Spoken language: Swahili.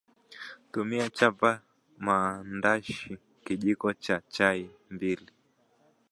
Tumia chapa mandashi Kijiko cha chai mbili